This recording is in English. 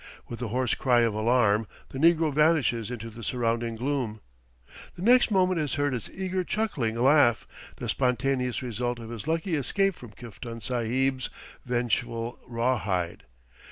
With a hoarse cry of alarm the negro vanishes into the surrounding gloom; the next moment is heard his eager chuckling laugh, the spontaneous result of his lucky escape from Kiftan Sahib's vengeful rawhide.